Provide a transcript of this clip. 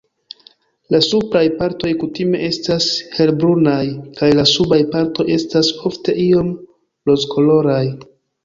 La supraj partoj kutime estas helbrunaj, kaj la subaj partoj estas ofte iom rozkoloraj.